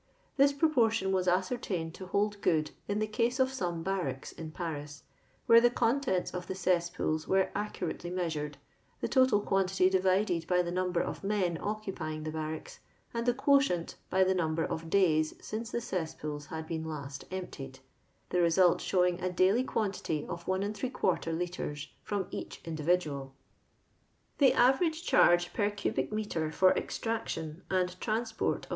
This pro portion was ascertained to hold good in the case of some barracks in Paris, where the contents of the cesspools were accurately me&sured, the total quantity divided by the number of men occupying the barracks, and the quotient by the number of days since the cesspools had been last emptied; the result showiug a daily quantity of If litre from each individuaL 440 LOSDOS LABorn AND THE LOSDOW POOR.